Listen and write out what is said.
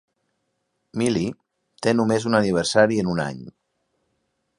Millie té només un aniversari en un any.